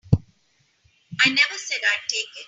I never said I'd take it.